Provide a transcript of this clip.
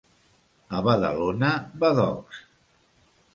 A Badalona, badocs.